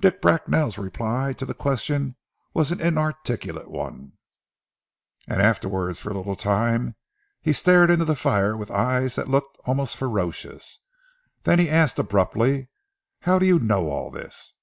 Dick Bracknell's reply to the question was an inarticulate one, and afterwards for a little time he stared into the fire with eyes that looked almost ferocious. Then he asked abruptly, "How do you know all this?"